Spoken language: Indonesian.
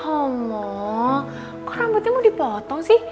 homo kok rambutnya mau dipotong sih